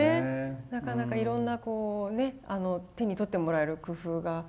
なかなかいろんなこうね手に取ってもらえる工夫が。